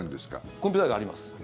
コンピューターがあります。